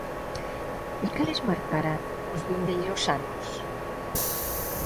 E cales marcarán os vindeiros anos?